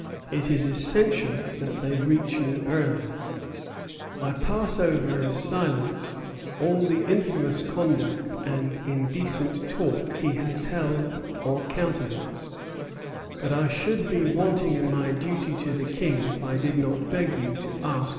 It is essential that they reach me early." "I pass over in silence all the infamous conduct and indecent talk he has held or countenanced; but I should be wanting in my duty to the King if I did not beg you to ask for his recall."